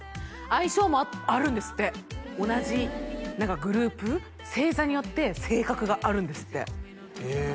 相性もあるんですって同じ何かグループ星座によって性格があるんですってへえ！